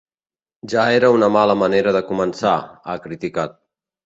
Ja era una mala manera de començar, ha criticat.